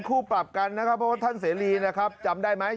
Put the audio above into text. คู่ปรับกันนะครับเพราะว่าท่านเสรีนะครับจำได้ไหม